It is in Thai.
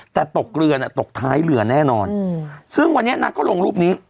แต่ตกเรือน่ะตกท้ายเรือแน่นอนซึ่งวันนี้นางก็ลงรูปนี้